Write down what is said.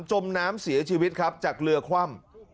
จมน้ำเสียชีวิตครับจากเรือคว่ำ